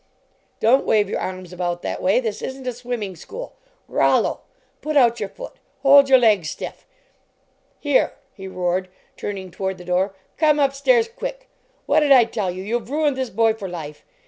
" Don t wave your arms about that way! This isn t a swimming school. "ROLLO! " Put out your foot! "Hold your leg stiff! "Here!" he roared, turning toward the door, "Come up stairs, quick! What d I tell you! You ve ruined this boy for life!